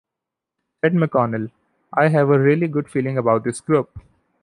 Said McConnell, I have a really good feeling about this group.